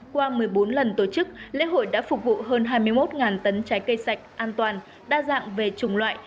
qua một mươi bốn lần tổ chức lễ hội đã phục vụ hơn hai mươi một tấn trái cây sạch an toàn đa dạng về chủng loại